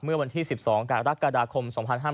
เมื่อวันที่๑๒กรกฎาคม๒๕๕๙